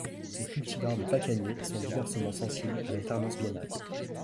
Les cultivars de pacaniers sont diversement sensible à l'alternance biennale.